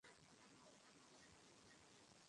তাহা হিংসার বিষয় হইবার কথা।